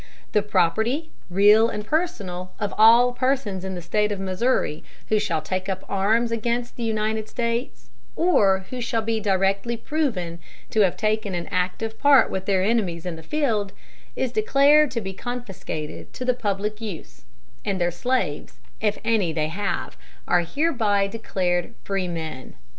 The property, real and personal, of all persons in the State of Missouri who shall take up arms against the United States, or who shall be directly proven to have taken an active part with their enemies in the field, is declared to be confiscated to the public use; and their slaves, if any they have, are hereby declared freemen."